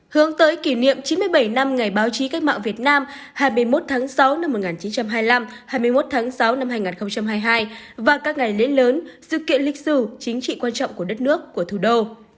hướng tới kỷ niệm chín mươi bảy năm ngày báo chí cách mạng việt nam hai mươi một tháng sáu năm một nghìn chín trăm hai mươi năm hai mươi một tháng sáu năm hai nghìn hai mươi hai và các ngày lễ lớn sự kiện lịch sử chính trị quan trọng của đất nước của thủ đô